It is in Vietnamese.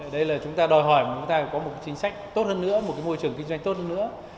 đây là chúng ta đòi hỏi mà chúng ta có một chính sách tốt hơn nữa một cái môi trường kinh doanh tốt hơn nữa